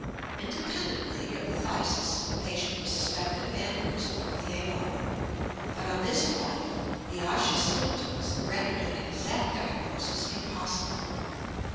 Independently of the phthisis, the patient was suspected of aneurism of the aorta; but on this point the osseous symptoms rendered an exact diagnosis impossible.